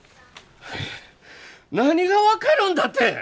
何が分かるんだって！